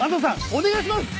お願いします！